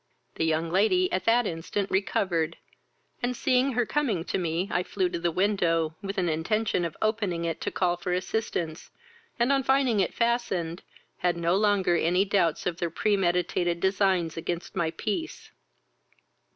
The young lady at that instant recovered, and, seeing her coming to me, I flew to the window, with an intention of opening it to call for assistance, and, on finding it fastened, had no longer any doubts of their premeditated designs against my peace.